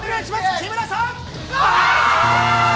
木村さん。